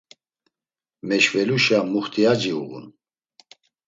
Meşveluşa muxtiyaci uğun.